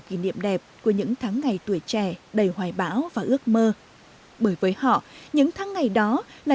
kỷ niệm đẹp của những tháng ngày tuổi trẻ đầy hoài bão và ước mơ bởi với họ những tháng ngày đó là